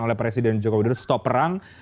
oleh presiden joko widodo stop perang